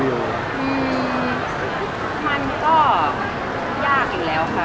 อืมมันก็ยากอีกแล้วค่ะ